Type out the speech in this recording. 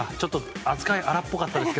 扱い荒っぽかったですけど。